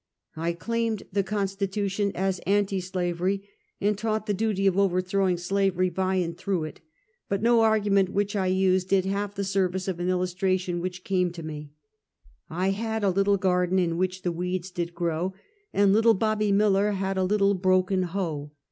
I claimed the Constitution as anti slavery, and taught the duty of overthrowing slavery by and through it, but no argument which I used did half the service of an illustration which came to me: I had a little garden in which the weeds did grow, and little Bobbie Miller had a little broken hoe.